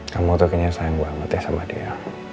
kamu tuh kayaknya sayang banget ya sama dia